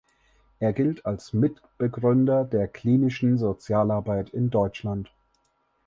Er gilt als Mitbegründer der Klinischen Sozialarbeit in Deutschland.